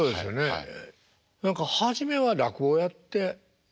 はい。